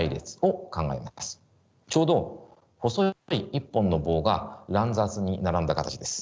ちょうど細い１本の棒が乱雑に並んだ形です。